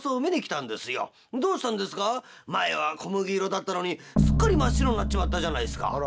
どうしたんですか前は小麦色だったのにすっかり真っ白になっちまったじゃないですか」。